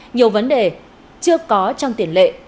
nhiều vấn đề chưa có trong tiền lệ